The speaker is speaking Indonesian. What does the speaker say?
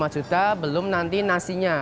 dua puluh lima juta belum nanti nasinya